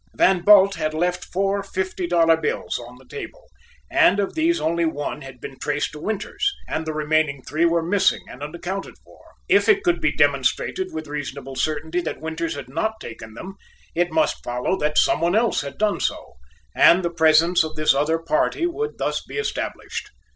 Van Bult had left four fifty dollar bills on the table, and of these only one had been traced to Winters, and the remaining three were missing and unaccounted for. If it could be demonstrated with reasonable certainty that Winters had not taken them, it must follow that some one else had done so, and the presence of this other party would thus be established.